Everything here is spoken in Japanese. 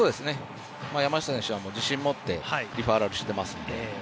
山下選手は自信持ってリファーラルしてますので。